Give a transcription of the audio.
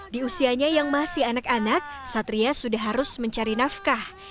di usianya yang masih anak anak satria sudah harus mencari nafkah